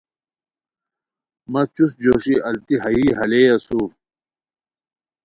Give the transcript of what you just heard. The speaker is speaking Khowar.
مہ چوست جوݰی التی ہائیی ہالئے اسور